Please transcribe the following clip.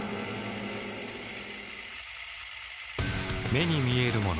目に見えるもの